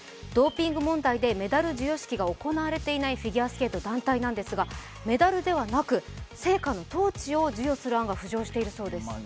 ドーピング問題でメダル授与式が行われていないフィギュアスケート女子団体ですがメダルではなく、聖火のトーチを授与する案が浮上しているようです。